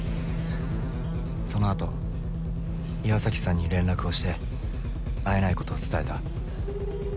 そのあと岩崎さんに連絡をして会えない事を伝えた。